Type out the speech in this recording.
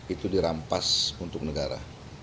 itu dirampas untuk negara